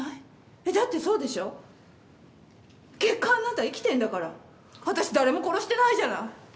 えっだってそうでしょ結果あなた生きてんだから私誰も殺してないじゃない！